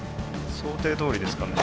想定どおりですかね？